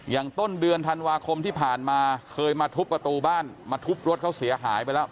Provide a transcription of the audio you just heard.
ต้นเดือนธันวาคมที่ผ่านมาเคยมาทุบประตูบ้านมาทุบรถเขาเสียหายไปแล้ว